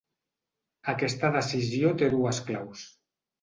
Aquesta decisió té dues claus.